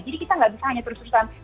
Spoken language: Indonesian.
jadi kita tidak bisa hanya terus terusan